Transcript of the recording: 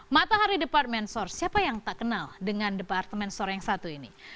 matahari department store siapa yang tak kenal dengan departemen store yang satu ini